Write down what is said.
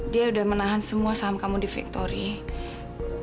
dia udah menahan semua saham kamu di victory